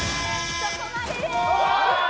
そこまでです。